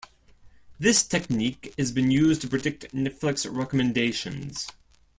This technique has been used to predict Netflix recommendations.